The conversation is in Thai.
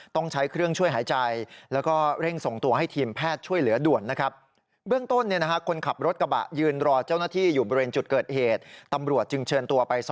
ต้องใช้เครื่องช่วยหายใจ